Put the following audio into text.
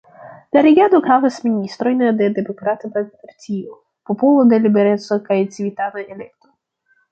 La regado havas ministrojn de Demokrata Partio, Popolo de Libereco kaj Civitana Elekto.